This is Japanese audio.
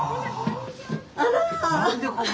あら。